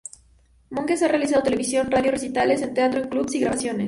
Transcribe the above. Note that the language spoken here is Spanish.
Monges ha realizado televisión, radio, recitales en teatro, en clubes y grabaciones.